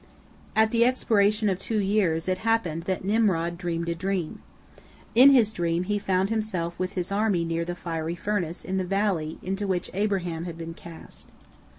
At the expiration of two years it happened that Nimrod dreamed a dream. In his dream he found himself with his army near the fiery furnace in the valley into which Abraham had been cast.